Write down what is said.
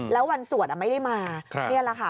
แล้ววันสวดไม่ได้มานี่แหละค่ะ